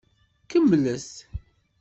Kemmlet.